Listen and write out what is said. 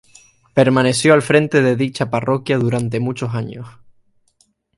Permaneció al frente de dicha parroquia durante muchos años.